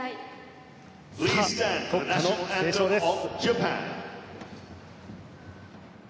国歌の斉唱です。